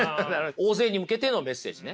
大勢に向けてのメッセージね。